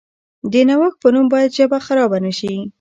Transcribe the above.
د نوښت په نوم باید ژبه خرابه نشي.